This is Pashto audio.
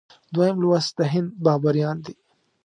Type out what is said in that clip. دویم لوست د هند بابریان دي.